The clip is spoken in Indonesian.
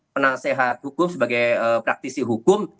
penasehat hukum sebagai praktisi hukum